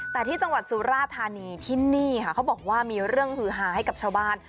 แต่ที่จังหวัดสุราธานีที่นี่ค่ะเขาบอกว่ามีเรื่องฮือฮาให้กับชาวบ้าน